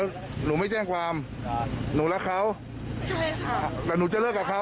แล้วหนูไม่แจ้งความหนูรักเขาใช่ค่ะแต่หนูจะเลิกกับเขา